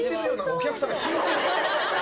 お客さんが引いてるよ。